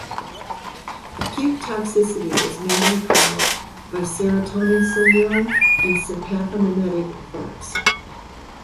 Acute toxicity is mainly caused by serotonin syndrome and sympathomimetic effects.